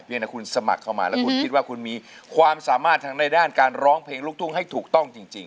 ยังถ้าคุณสมัครเข้ามาแล้วคุณคิดว่าคุณมีความสามารถทางในด้านการร้องเพลงลูกทุ่งให้ถูกต้องจริง